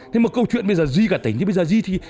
thế mà câu chuyện bây giờ di cả tỉnh